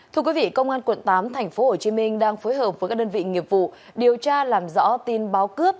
thưa quý vị công an quận tám tp hcm đang phối hợp với các đơn vị nghiệp vụ điều tra làm rõ tin báo cướp